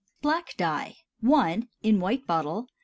BLACK DYE. I. (_In White Bottle.